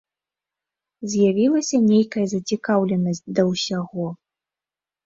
З'явілася нейкая зацікаўленасць да ўсяго.